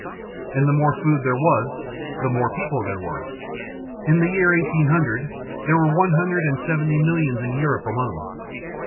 And the more food there was, the more people there were. In the year 1800, there were one hundred and seventy millions in Europe alone.